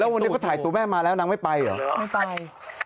แล้ววันนี้เขาถ่ายตัวแม่มาแล้วนางไม่ไปเหรอ